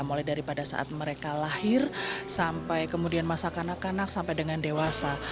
mulai daripada saat mereka lahir sampai kemudian masa kanak kanak sampai dengan dewasa